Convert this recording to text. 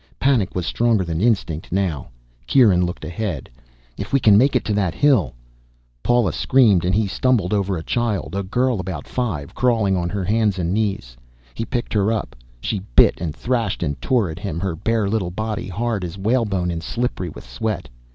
Panic was stronger than instinct now. Kieran looked ahead. "If we can make it to that hill " Paula screamed and he stumbled over a child, a girl about five, crawling on her hands and knees. He picked her up. She bit and thrashed and tore at him, her bare little body hard as whalebone and slippery with sweat.